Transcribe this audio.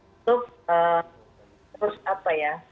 untuk terus apa ya